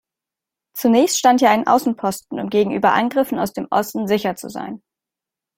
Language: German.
Zunächst stand hier ein Außenposten, um gegenüber Angriffen aus dem Osten sicher zu sein.